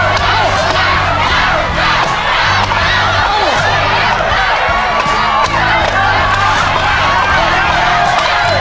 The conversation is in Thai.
ไปแล้วตัวล้วนมือด้วยนะครับ